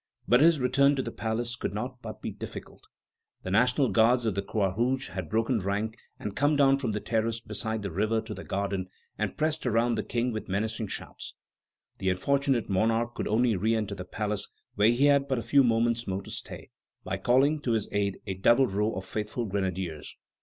But his return to the palace could not but be difficult. The National Guards of the Croix Rouge had broken rank and come down from the terrace beside the river to the garden, and pressed around the King with menacing shouts. The unfortunate monarch could only re enter the palace where he had but a few moments more to stay, by calling to his aid a double row of faithful grenadiers.